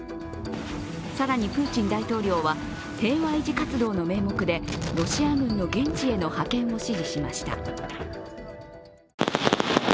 更にプーチン大統領は平和維持活動の名目でロシア軍の現地への派遣を指示しました。